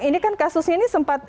ini kan kasus ini sempat